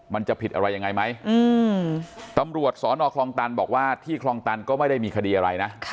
มันจะผิดอะไรยังไงไหมตำรวจสอนอคลองตันบอกว่าที่คลองตันก็ไม่ได้มีคดีอะไรนะ